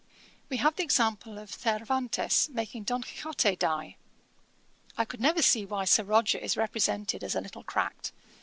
We have the example of Cervantes making Don Quixote die. I never could see why Sir Roger is represented as a little cracked.